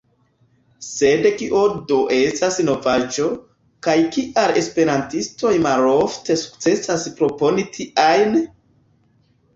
Sed kio do estas novaĵo, kaj kial esperantistoj malofte sukcesas proponi tiajn?